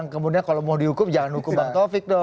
kemudian kalau mau dihukum jangan hukum pak tovik